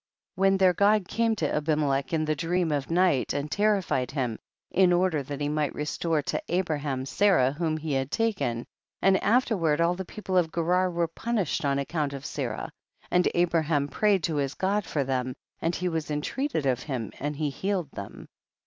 32. When their God came to Abimelech in the dream of night and terrified him, in order that he might restore to Abraham Sarah whom he had taken, and afterward all the peo ple of Gerar were punished on ac count of Sarah, and Abraham prayed to his God for them, and he was in treated of him, and he healed them.